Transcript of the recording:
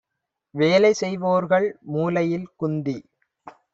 வேலைசெய் வோர்கள் மூலையில் குந்தி